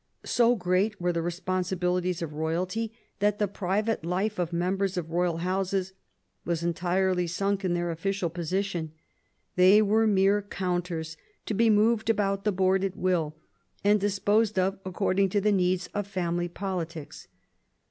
So great were the responsibilities of royalty that the private life of mem bers of royal houses was entirely sunk in their oflBicial positioa They were mere counters to be moved about the board at will, and disposed of according to the needs of family politics.